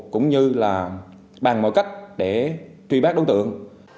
cũng như là bàn mọi cách để truy bác đối tượng